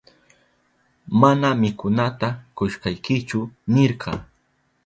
Mana mikunata kushkaykichu nirka.